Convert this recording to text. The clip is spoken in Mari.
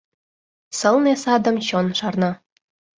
Сылне садым чон шарна.